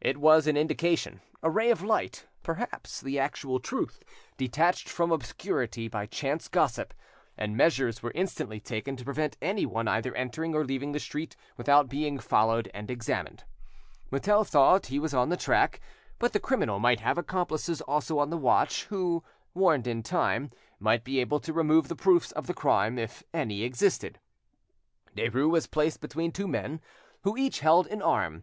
It was an indication, a ray of light, perhaps the actual truth, detached from obscurity by chance gossip; and measures were instantly taken to prevent anyone either entering or leaving the street without being followed and examined. Mutel thought he was on the track, but the criminal might have accomplices also on the watch, who, warned in time, might be able to remove the proofs of the crime, if any existed. Derues was placed between two men who each held an arm.